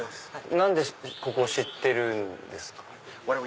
何でここを知ってるんですか？